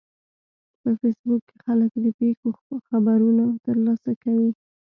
په فېسبوک کې خلک د پیښو خبرونه ترلاسه کوي